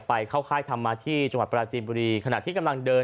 ไปเข้าค่ายธรรมาที่จังหวัดปราจีนบุรีขณะที่กำลังเดิน